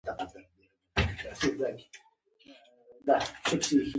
د دویمې نړیوالې جګړې وروسته اړتیا پیښه شوه.